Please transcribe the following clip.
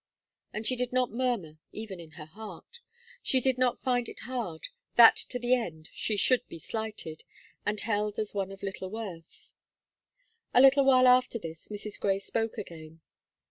And she did not murmur, even in her heart. She did not find it hard that to the end she should be slighted, and held as one of little worth. A little while after this, Mrs. Gray spoke again.